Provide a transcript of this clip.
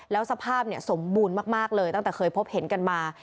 แล้วสภาพสมบูรณ์มากเลยตั้งแต่เคยพบเห็นกันมา